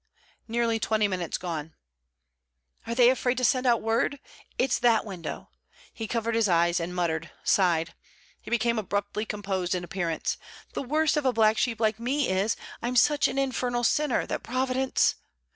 'Nearly twenty minutes gone.' 'Are they afraid to send out word? It's that window!' He covered his eyes, and muttered, sighed. He became abruptly composed in appearance. 'The worst of a black sheep like me is, I'm such an infernal sinner, that Providence!...